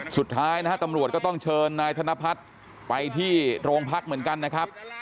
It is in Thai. สุดท้ายนะฮะตำรวจก็ต้องเชิญนายธนพัฒน์ไปที่โรงพักเหมือนกันนะครับ